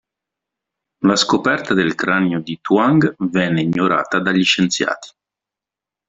La scoperta del cranio di Tuang, venne ignorata dagli scienziati.